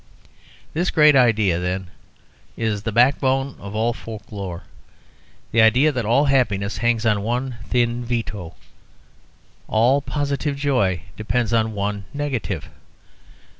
This great idea, then, is the backbone of all folk lore the idea that all happiness hangs on one thin veto; all positive joy depends on one negative.